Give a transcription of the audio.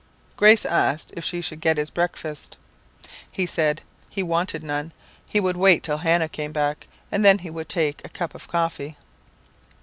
"Grace asked if she should get his breakfast? "He said, 'He wanted none. He would wait till Hannah came back, and then he would take a cup of coffee.'